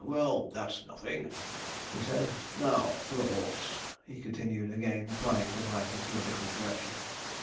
Well, that's nothing,' he said. 'Now for the horse,' he continued, again applying the lighter in a different direction.